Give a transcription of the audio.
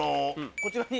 こちらに。